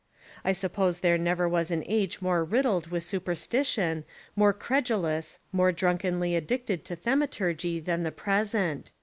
I suppose there never was an age more riddled with supersti tion, more credulous, more drunkenly addicted to thaumaturgy than the present.